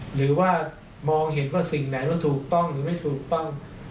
หรือว่ามองเห็นว่าสิ่งไหนมันถูกต้องหรือไม่ถูกต้อง